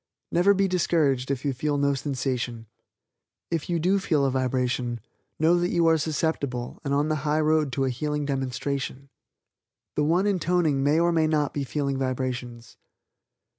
Never be discouraged if you feel no sensation. If you do feel a vibration, know that you are susceptible and on the high road to a healing demonstration. The one intoning may or may not be feeling vibrations.